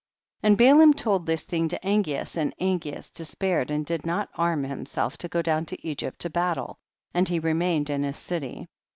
1 1 . And Balaam told this thing to Angeas and Angeas despaired and did not arm himself to go down to Egypt to battle, and he remained in his city.